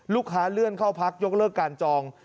เลื่อนเข้าพักยกเลิกการจอง